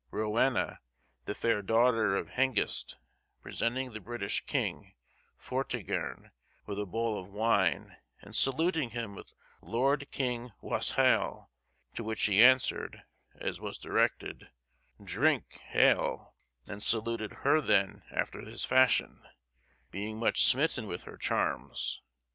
Rowena, the fair daughter of Hengist, presenting the British king, Vortigern, with a bowl of wine, and saluting him with "Lord King Wass heil;" to which he answered, as he was directed, "Drinc heile," and saluted her then after his fashion, being much smitten with her charms.